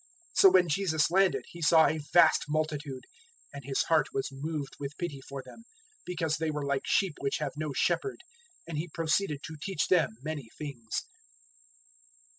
006:034 So when Jesus landed, He saw a vast multitude; and His heart was moved with pity for them, because they were like sheep which have no shepherd, and He proceeded to teach them many things.